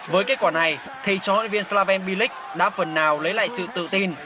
với kết quả này thầy trói hlv slaven bilic đã phần nào lấy lại sự tự tin